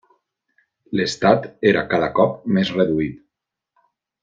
L'estat era cap cop més reduït.